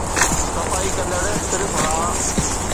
صفائي ڪندڙ صرف ها